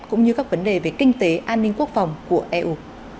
cũng như các vấn đề về kinh tế an ninh quốc phòng của eu